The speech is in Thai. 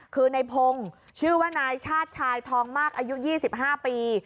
คือในพงค์ชื่อว่านายชาติชายทองมากอายุยี่สิบห้าปี